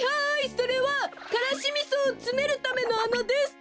それはからしみそをつめるためのあなです！